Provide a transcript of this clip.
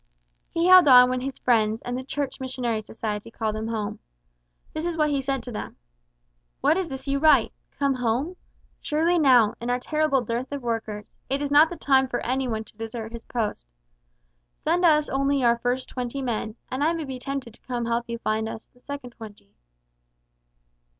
He held on when his friends and the Church Missionary Society called him home. This is what he said to them, "What is this you write 'Come home'? Surely now, in our terrible dearth of workers, it is not the time for anyone to desert his post. Send us only our first twenty men, and I may be tempted to come to help you to find the second twenty."